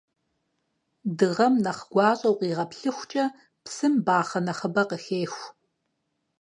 Дыгъэм нэхъ гуащӀэу къигъэплъыхукӀэ, псым бахъэ нэхъыбэ къыхеху.